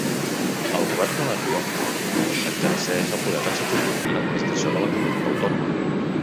El Govern de La Rioja exerceix el poder executiu i l'administració de la Comunitat Autònoma.